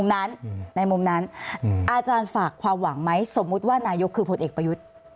นั้นในมุมนั้นอาจารย์ฝากความหวังไหมสมมุติว่านายกคือผลเอกประยุทธ์